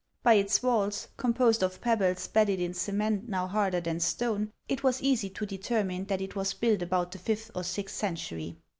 By its walls — composed of pebbles bedded in cement, now harder than stone — it was easy to determine that it was built about the fifth or sixth century.